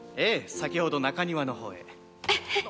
先ほど中庭の方へんっ！